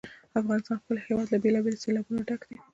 د افغانستان ښکلی هېواد له بېلابېلو سیلابونو ډک دی.